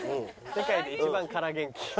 世界で一番空元気。